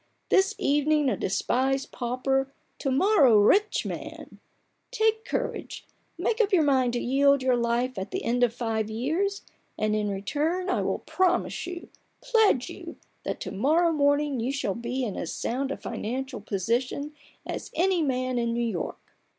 This evening a despised pauper, to morrow a rich man ! Take courage, make up your mind to yield your life at the end of five years, and in return I will promise THE BARGAIN OF RUPERT ORANGE. 17 you, pledge you, that to morrow morning you shall be in as sound a financial position as any man in New York."